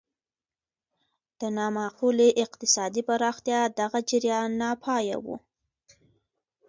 د نامعقولې اقتصادي پراختیا دغه جریان ناپایه و.